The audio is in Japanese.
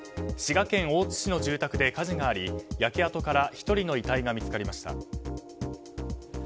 滋賀県大津市の住宅で火事があり焼け跡から１人の遺体が見つかりました。